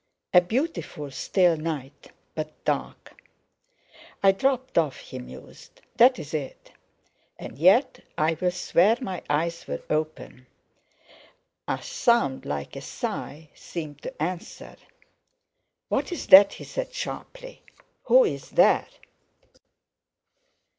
A beautiful still night, but dark. "I dropped off," he mused, "that's it! And yet I'll swear my eyes were open!" A sound like a sigh seemed to answer. "What's that?" he said sharply, "who's there?"